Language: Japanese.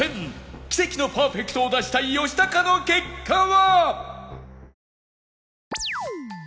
奇跡のパーフェクトを出したい吉高の結果は！？